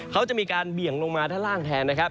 เขาจะมีการเบี่ยงลงมาด้านล่างแทนนะครับ